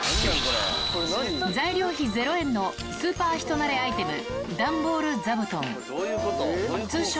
材料費０円のスーパー人なれアイテム、段ボール座布団。